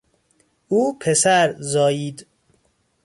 او پسر زایید.